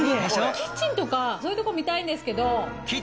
キッチンとかそういうとこ見たいんですけど。